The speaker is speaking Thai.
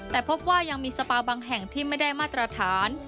แต่พบว่ายังมีสปาบางแห่งที่ไม่ได้มาตรฐาน